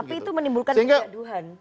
tapi itu menimbulkan kegaduhan